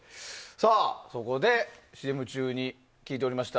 さあ、そこでＣＭ中に聞いておりました